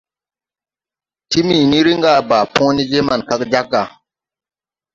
Timiini riŋ ga à baa põõ ne je maŋ kag jāg ga.